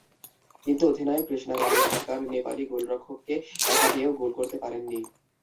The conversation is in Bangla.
কিন্তু অধিনায়ক কৃষ্ণা রানি সরকার নেপালি গোলরক্ষককে একা পেয়েও গোল করতে পারেননি।